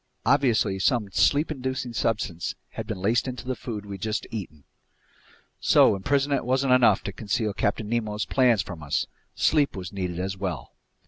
Obviously some sleep inducing substance had been laced into the food we'd just eaten! So imprisonment wasn't enough to conceal Captain Nemo's plans from us—sleep was needed as well!